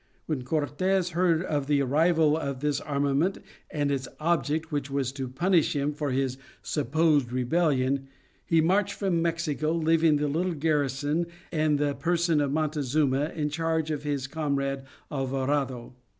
When Cortes heard of the arrival of this armament and its object which was to punish him for his supposed rebellion, he marched from Mexico, leaving the little garrison and the person of Montezuma in charge of his comrade Alvarado.